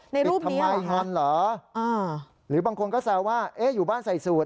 ในรูปนี้หรอครับอ๋อหรือบางคนก็แซวว่าเอ๊ะอยู่บ้านใส่สูตร